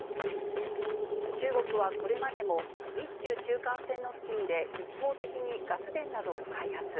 中国はこれまでも日中中間線の付近で、一方的にガス田などを開発。